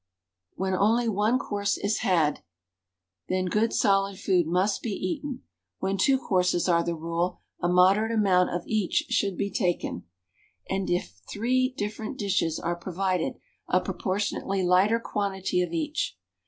When only one course is had, then good solid food must be eaten; when two courses are the rule, a moderate amount of each should be taken; and it three different dishes are provided, a proportionately lighter quantity of each.